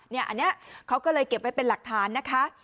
อันนี้เขาก็เลยเก็บไว้เป็นหลักฐานนะคะ